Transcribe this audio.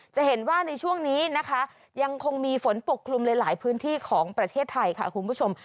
จะเห็นว่าในช่วงนี้นะคะยังคงมีฝนปกคลุมหลายพื้นที่ของประเทศไทยค่ะคุณผู้ชม